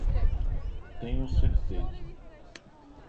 Tenho certeza